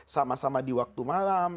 sama sama di waktu malam